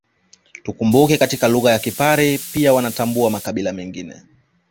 Tukumbuke katika lugha ya Kipare pia wanatambua makabila mengine